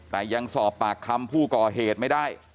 แต่ยังสอบปากคำผู้ก่อเหตุไม่ได้